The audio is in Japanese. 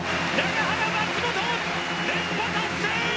永原、松本連覇達成！